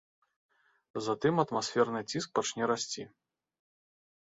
Затым атмасферны ціск пачне расці.